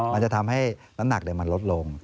มันจะทำให้น้ำหนักมันลดลง